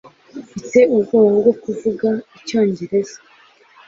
Afite ubwoba bwo kuvuga icyongereza.